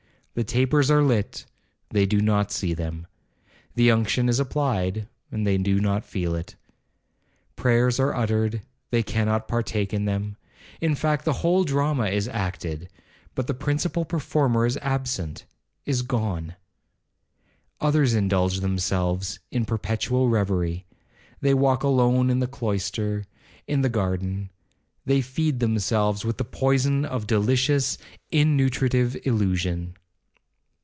The tapers are lit, they do not see them,—the unction is applied, they do not feel it,—prayers are uttered, they cannot partake in them;—in fact, the whole drama is acted, but the principal performer is absent,—is gone. Others indulge themselves in perpetual reverie. They walk alone in the cloister,—in the garden. They feed themselves with the poison of delicious, innutritive illusion.